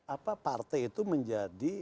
apa partai itu menjadi